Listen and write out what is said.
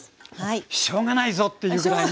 しょうがないぞっていうぐらいに。